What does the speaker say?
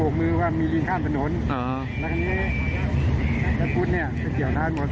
คือตอนนี้นะครับ